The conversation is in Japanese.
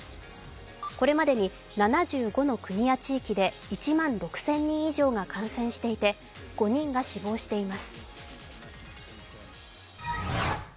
これまでに７５の国や地域で１万６０００人以上が感染していて５人が死亡しています。